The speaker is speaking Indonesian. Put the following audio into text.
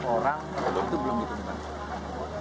sembilan belas orang itu belum ditemukan